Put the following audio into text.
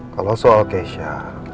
kalau soal kesya